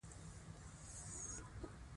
ننګرهار د افغان ماشومانو د لوبو موضوع ده.